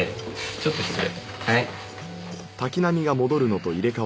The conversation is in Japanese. ちょっと失礼。